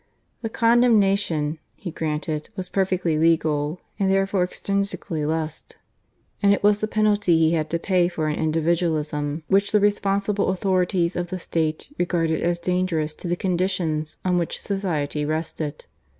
The condemnation, he granted, was perfectly legal and therefore extrinsically lust; and it was the penalty he had to pay for an individualism which the responsible authorities of the State regarded as dangerous to the conditions on which society rested.